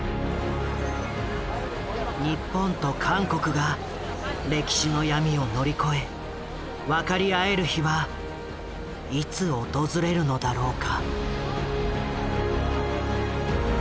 日本と韓国が歴史の闇を乗り越え分かり合える日はいつ訪れるのだろうか。